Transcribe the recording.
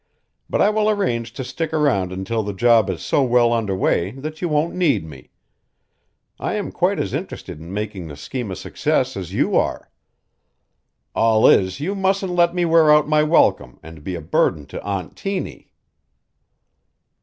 "But I will arrange to stick around until the job is so well under way that you won't need me. I am quite as interested in making the scheme a success as you are. All is you mustn't let me wear out my welcome and be a burden to Aunt Tiny."